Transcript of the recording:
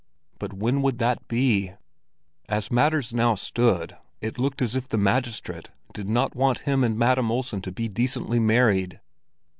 But when would that be? As matters now stood, it looked as if the magistrate did not want him and Madam Olsen to be decently married.